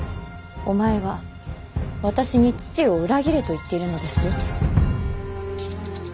お前は私に父を裏切れと言っているのですよ。